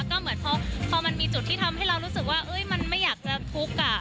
ก็เหมือนพอมันมีจุดที่ทำให้เรารู้สึกว่ามันไม่อยากจะทุกข์